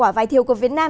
vì vậy lý đầu tiên là